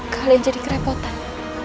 kalian jadi kerepotan